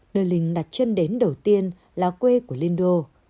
đời linh đặt chân đến đầu tiên là quê của lindo